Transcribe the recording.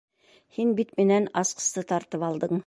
Һин бит минән асҡысты тартып алдың!